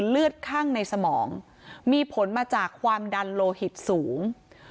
เลือดคั่งในสมองมีผลมาจากความดันโลหิตสูง